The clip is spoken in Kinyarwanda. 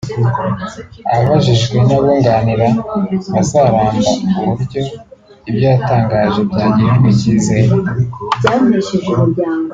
Abajijwe n’abunganira Bazaramba uburyo ibyo yatangaje byagirirwa icyizere